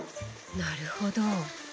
なるほど。